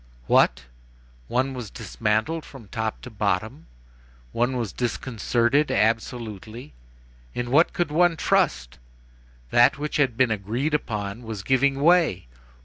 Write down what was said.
What! one was dismantled from top to bottom! one was disconcerted, absolutely! In what could one trust! That which had been agreed upon was giving way!